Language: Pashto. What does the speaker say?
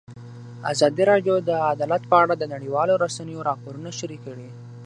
ازادي راډیو د عدالت په اړه د نړیوالو رسنیو راپورونه شریک کړي.